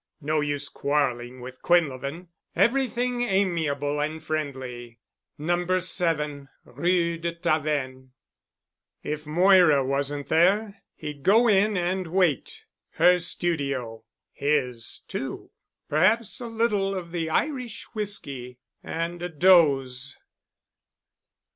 No use quarreling with Quinlevin. Everything amiable and friendly. No. 7 Rue de Tavennes. If Moira wasn't there, he'd go in and wait. Her studio ... his too. Perhaps a little of the Irish whisky and a doze....